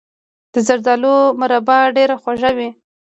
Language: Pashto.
د زردالو مربا ډیره خوږه وي.